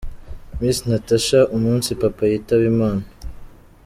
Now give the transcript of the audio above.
Miss Natacha : Umunsi Papa yitaba Imana.